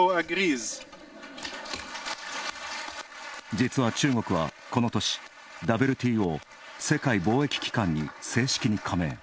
実は中国は、この年、ＷＴＯ＝世界貿易機関に正式に加盟。